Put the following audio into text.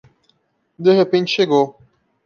De repente chegou